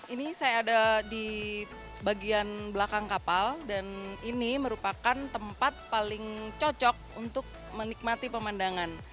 ini saya ada di bagian belakang kapal dan ini merupakan tempat paling cocok untuk menikmati pemandangan